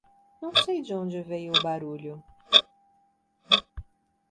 Não sei de onde veio o barulho.